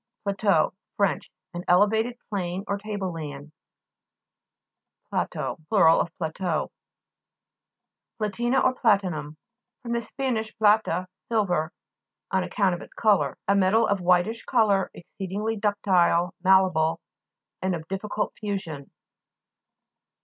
PLA'TEAU Fr. An elevated plane, or table land. PLA'TEAUX (PLA' TO) Plur. of pla teau. PLATI'N A or PLATI'NITM fr. sp. pla ta, silver, on account of its colour. A metal of a whitish colour, exceed ingly ductile, malleable, and of diffi cult fusion.